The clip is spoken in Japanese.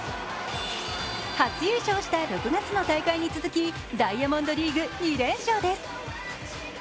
初優勝した６月の大会に続きダイヤモンドリーグ２連勝です。